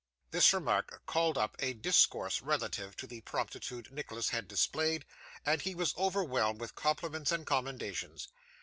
This remark called up a discourse relative to the promptitude Nicholas had displayed, and he was overwhelmed with compliments and commendations.